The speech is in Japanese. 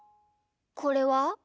これは？